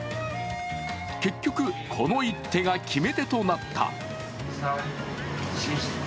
結局、この一手が決め手となった。